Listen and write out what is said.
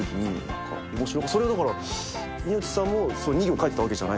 それがだから宮内さんも２行書いてたわけじゃないですもんね？